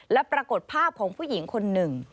และปรากฏภาพของผู้หญิงคนหนึ่ง